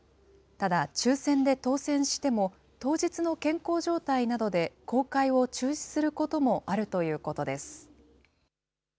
ただ、抽せんで当せんしても、当日の健康状態などで公開を中止することもあるということです。